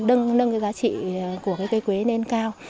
nâng cái giá trị của cái cây quế lên cao